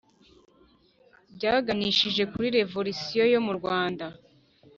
byaganishije kuri revolisiyo yo mu rwanda